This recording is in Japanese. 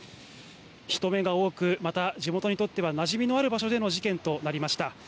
人目が多く、また地元にとってはなじみのある場所での事件となりました。